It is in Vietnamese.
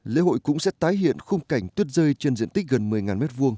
lễ hội cũng sẽ tái hiện khung cảnh tuyết rơi trên diện tích gần một mươi m hai